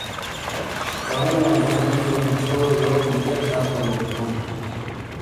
ژاؤں واجیونو جو موچھوڑے یوک لکھے تھا تو گا لیکھون